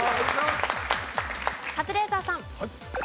カズレーザーさん。